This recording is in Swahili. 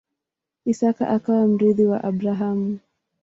Isaka akawa mrithi wa Abrahamu.